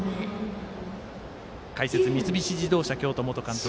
解説は三菱自動車京都元監督